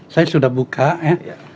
saya sudah buka ya